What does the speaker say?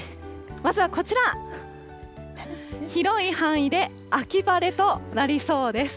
まずはこちら、広い範囲で秋晴れとなりそうです。